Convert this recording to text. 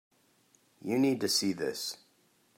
You need to see this.